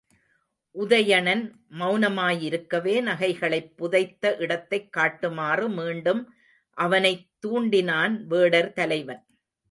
உதயணன் மெளனமாயிருக்கவே நகைகளைப் புதைத்த இடத்தைக் காட்டுமாறு மீண்டும் அவனைத் தூண்டினான் வேடர் தலைவன்.